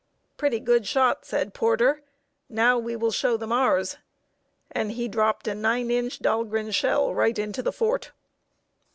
"Pretty good shot!" said Porter. "Now we will show them ours." And he dropped a nine inch Dahlgren shell right into the fort.